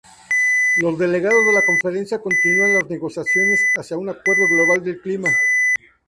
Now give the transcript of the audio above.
Los delegados de la conferencia continúan las negociaciones hacia un acuerdo global del clima.